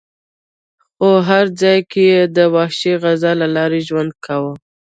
خو هر ځای کې یې د وحشي غذا له لارې ژوند کاوه.